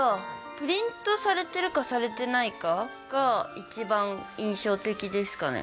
プリントされてるか、されてないかが一番印象的ですかね。